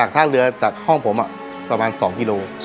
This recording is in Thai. ทางเรือจากห้องผมประมาณ๒กิโล